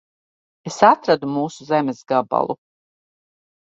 Es atradu mūsu zemes gabalu.